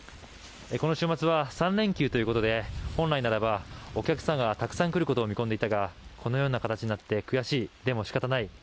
この週末は３連休ということで本来ならばお客さんが、たくさん来ることを見込んでいたがこのような形になって悔しいでも仕方ない。